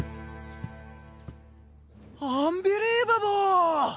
アンビリーバボー！